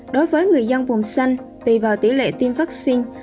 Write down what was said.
đối với người dân vùng xanh tùy vào tỷ lệ tiêm vaccine